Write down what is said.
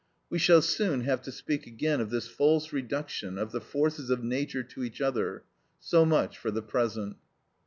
We shall soon have to speak again of this false reduction of the forces of nature to each other; so much for the present.